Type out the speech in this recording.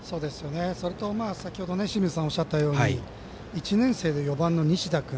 それと先程清水さんがおっしゃったように１年生で４番の西田君。